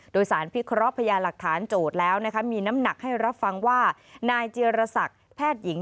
โดยสารพิเคราะห์พยานหลักฐานโจทย์แล้วนะคะมีน้ำหนักให้รับฟังว่านายเจียรศักดิ์แพทย์หญิง